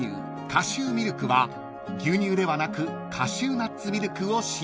カシューミルクは牛乳ではなくカシューナッツミルクを使用］